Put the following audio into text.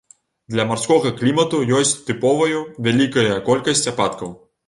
Для марскога клімату ёсць тыповаю вялікая колькасць ападкаў.